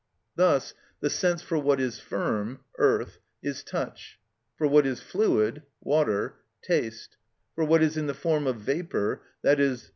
Thus the sense for what is firm (earth) is touch; for what is fluid (water), taste; for what is in the form of vapour, _i.e.